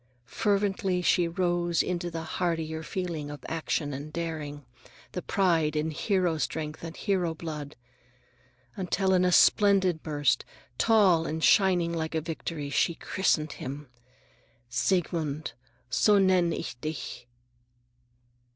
Fervently she rose into the hardier feeling of action and daring, the pride in hero strength and hero blood, until in a splendid burst, tall and shining like a Victory, she christened him:— "Siegmund— So nenn ich dich!"